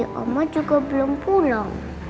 mama juga belum pulang